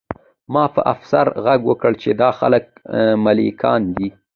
ما په افسر غږ وکړ چې دا خلک ملکیان دي